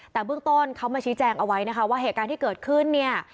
แต่เบื้องต้นเขามาชี้แจงเอาไว้นะคะว่าเหตุการณ์ที่เกิดขึ้นเนี่ย